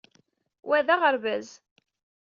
Wa d aɣerbaz